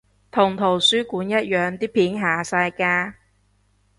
同圖書館一樣啲片下晒架？